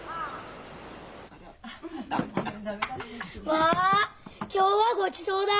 わ今日はごちそうだ！